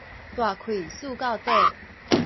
大氣欶到底